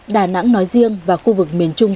đà nẵng nói riêng và khu vực miền trung